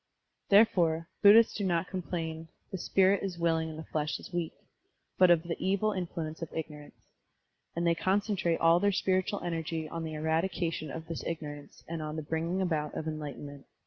Therefore, Bud dhists do not complain, "The spirit is willing, and the flesh is weak"; but of the evil influence of ignorance; and they concentrate all their spiritual energy on the eradication of this ignor ance and on the bringing about of enlightenment.